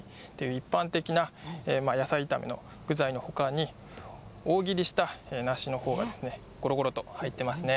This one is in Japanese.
一般的な野菜炒めの具材のほかに大切りした梨の方がごろごろと入っていますね。